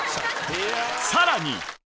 さらに。